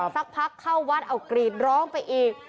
สักพักเข้าวัดเอากรีดร้องไปอีก